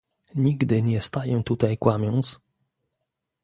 Nigdy nie staję tutaj kłamiąc